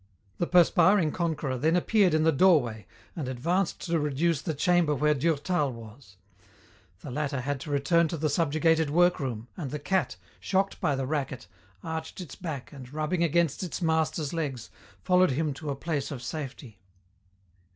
The perspiring conqueror then appeared in the doorway and advanced to reduce the chamber where Durtal was. The latter had to return to the subjugated workroom, and the cat, shocked by the racket, arched its back and, rubbing against its master's legs, followed him to a place of safety.